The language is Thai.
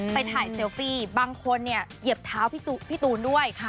ไปถ่ายเซลฟี่บางคนเนี่ยเหยียบเท้าพี่ตูนด้วย